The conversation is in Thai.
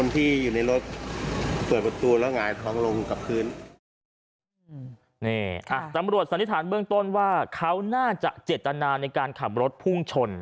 ตำรวจสันนิษฐานเบื้องต้นว่าเขาน่าจะเจตนาในการขับรถพุ่งชน